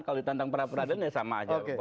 kalau ditantang perapuradilan ya sama saja